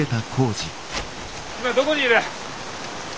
今どこにいる？